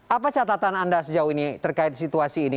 apa catatan anda sejauh ini terkait situasi ini